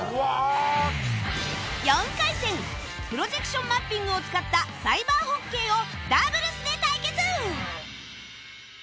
４回戦プロジェクションマッピングを使ったサイバーホッケーをダブルスで対決！